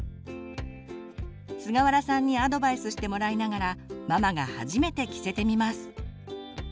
すがわらさんにアドバイスしてもらいながらママが初めて着せてみます。